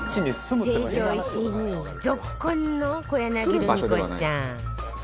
成城石井にぞっこんの小柳ルミ子さん